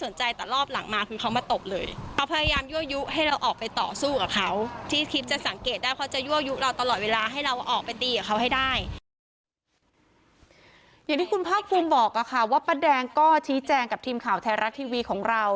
อย่างที่คุณภาคภูมิบอกค่ะว่าป้าแดงก็ชี้แจงกับทีมข่าวไทยรัฐทีวีของเรา